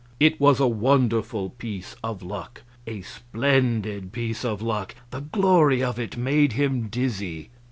It was a wonderful piece of luck, a splendid piece of luck; the glory of it made him dizzy.